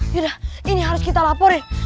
sudah ini harus kita laporin